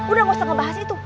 udah gak usah ngebahas itu